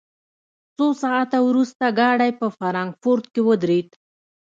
څو ساعته وروسته ګاډی په فرانکفورټ کې ودرېد